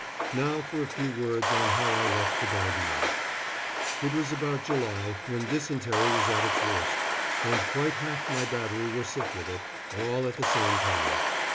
Now for a few words on how I left the Dardanelles. It was about July, when dysentery was at its worst, and quite half my battery were sick with it, all at the same time.